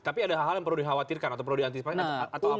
tapi ada hal hal yang perlu dikhawatirkan atau perlu diantisipasi